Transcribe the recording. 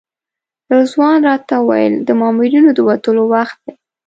رضوان راته وویل د مامورینو د وتلو وخت دی.